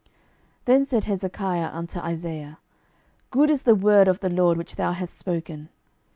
12:020:019 Then said Hezekiah unto Isaiah, Good is the word of the LORD which thou hast spoken.